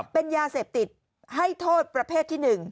เป็นยาเสพติดให้โทษประเภทที่๑